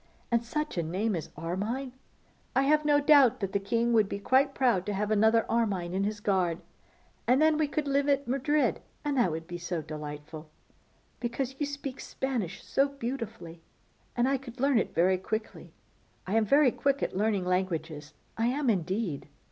And such a name as Armine! I have no doubt that the king would be quite proud to have another Armine in his guard. And then we could live at Madrid; and that would be so delightful, because you speak Spanish so beautifully, and I could learn it very quickly. I am very quick at learning languages, I am, indeed.